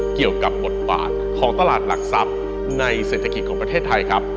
เกี่ยวกับบทบาทของตลาดหลักทรัพย์ในเศรษฐกิจของประเทศไทยครับ